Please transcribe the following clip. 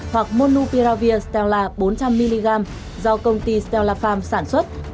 hoặc monupiravir stella bốn trăm linh mg do công ty stella farm sản xuất